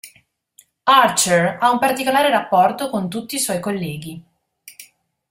Archer ha un particolare rapporto con tutti i suoi colleghi.